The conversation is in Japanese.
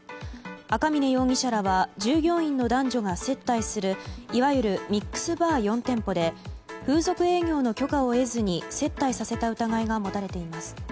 赤嶺容疑者らは従業員の男女が接待するいわゆるミックスバー４店舗で風俗営業の許可を得ずに接待させた疑いが持たれています。